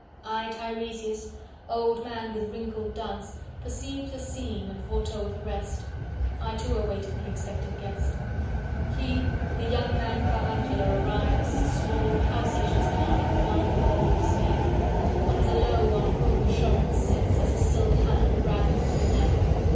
I Tiresias, old man with wrinkled dugs Perceived the scene, and foretold the rest— I too awaited the expected guest. 230 He, the young man carbuncular, arrives, A small house agent's clerk, with one bold stare, One of the low on whom assurance sits As a silk hat on a Bradford millionaire.